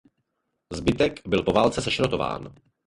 Zbytek byl po válce sešrotován.